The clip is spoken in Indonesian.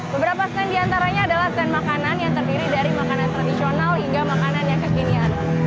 beberapa stand diantaranya adalah stand makanan yang terdiri dari makanan tradisional hingga makanan yang kekinian